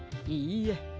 いいえ。